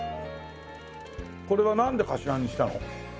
これはなんでかしわにしたの？